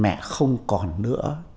mẹ không còn nữa